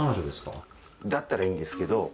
だったらいいんですけど。